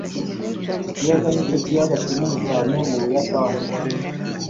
iki kiyaga nicyo kiyaga kinini cyane mu buyapani